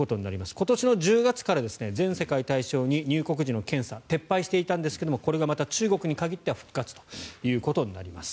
今年の１０月から全世界を対象に入国時の検査を撤廃していたんですがこれがまた中国に限っては復活ということになります。